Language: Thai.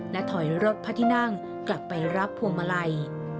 และถอยรถพระที่นั่งกลับไปรับพวงมาลัย